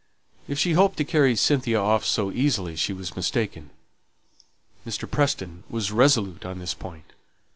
If she hoped to carry Cynthia off so easily she was mistaken. Mr. Preston was resolute on this point.